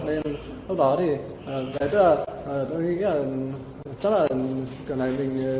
nên lúc đó thì cái tôi nghĩ là chắc là kiểu này mình